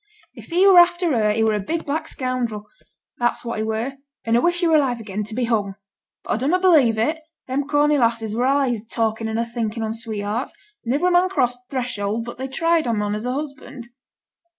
'If he were after her he were a big black scoundrel, that's what he were; and a wish he were alive again to be hung. But a dunnot believe it; them Corney lasses were allays a talkin' an' a thinking on sweethearts, and niver a man crossed t' threshold but they tried him on as a husband.